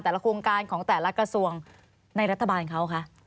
โครงการของแต่ละกระทรวงในรัฐบาลเขาคะ